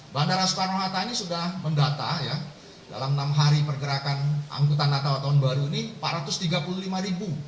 bandara soekarno hatta ini sudah mendata dalam enam hari pergerakan angkutan natal tahun baru ini empat ratus tiga puluh lima ribu